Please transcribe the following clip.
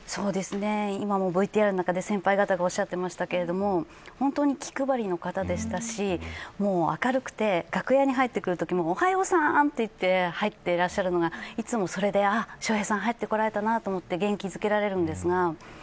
今もＶＴＲの中で、先輩方がおっしゃっていましたが本当に気配りの方でしたし明るくて楽屋に入ってくるときもおはようさんと言って入ってくるのがそれで笑瓶さんが入ってこられたなと思って元気づけられていました。